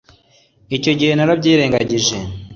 Icyo gihe narabyirengagije